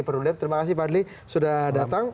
perludem terima kasih fadli sudah datang